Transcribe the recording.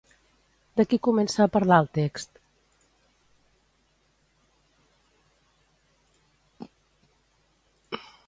De qui comença a parlar el text?